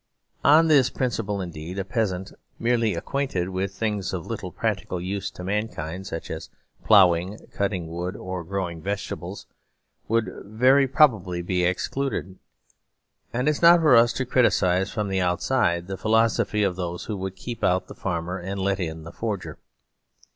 On this principle indeed, a peasant merely acquainted with things of little practical use to mankind, such as ploughing, cutting wood, or growing vegetables, would very probably be excluded; and it is not for us to criticise from the outside the philosophy of those who would keep out the farmer and let in the forger.